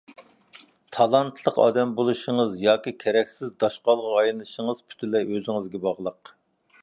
تالانتلىق ئادەم بولۇشىڭىز ياكى كېرەكسىز داشقالغا ئايلىنىشىڭىز پۈتۈنلەي ئۆزىڭىزگە باغلىق.